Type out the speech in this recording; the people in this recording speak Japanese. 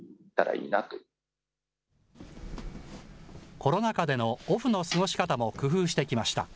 コロナ禍でのオフの過ごし方も工夫してきました。